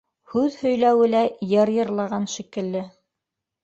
Һүҙ һөйләүе лә йыр йырлаған шикелле.